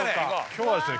今日はですね